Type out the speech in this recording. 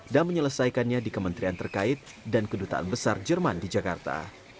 dan menyelesaikannya di kementerian terkait dan kedutaan besar jerman di jakarta